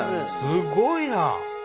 すごいな。